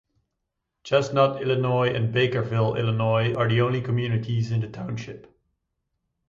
Chestnut, Illinois and Bakerville, Illinois are the only communities in the township.